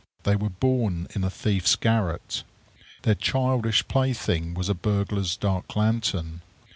They were born in a thief's garret. Their childish plaything was a burglar's dark lantern.